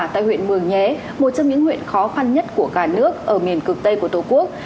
tại huyện mường nhé một trong những huyện khó khăn nhất của cả nước ở miền cực tây của tổ quốc